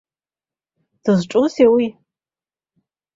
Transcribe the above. Дызҿызи уи?